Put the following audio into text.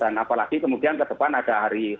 dan apalagi kemudian ke depan ada hari